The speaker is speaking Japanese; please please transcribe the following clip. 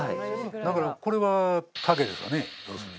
だからこれは賭けですよね